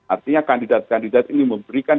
artinya kandidat kandidat ini memberikan